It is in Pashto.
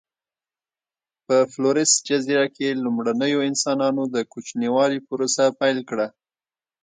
په فلورس جزیره کې لومړنیو انسانانو د کوچنیوالي پروسه پیل کړه.